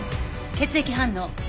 血液反応。